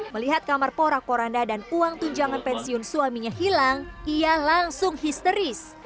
melihat kamar porak poranda dan uang tunjangan pensiun suaminya hilang ia langsung histeris